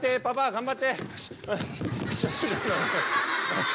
頑張って。